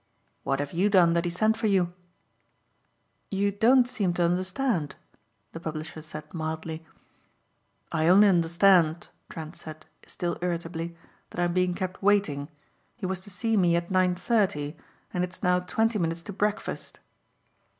"What have you done that he sent for you?" "You don't seem to understand," the publisher said mildly. "I only understand," Trent said, still irritably, "that I'm being kept waiting. He was to see me at nine thirty and it's now twenty minutes to breakfast."